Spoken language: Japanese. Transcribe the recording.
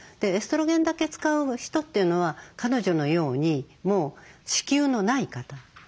エストロゲンだけ使う人というのは彼女のようにもう子宮のない方。